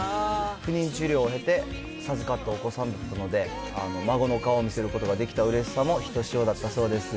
不妊治療を経て授かったお子さんだったので、孫の顔を見せることができたうれしさもひとしおだったそうです。